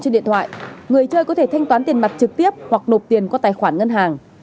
trên điện thoại người chơi có thể thanh toán tiền mặt trực tiếp hoặc nộp tiền qua tài khoản ngân hàng